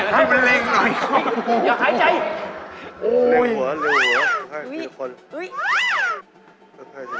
ให้มันแรงหน่อยนะครับคุณคุณคุณคุณอย่าหายใจ